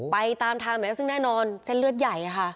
ไปตามทางแล้วซึ่งแน่นอนเส้นเลือดใหญ่ค่ะ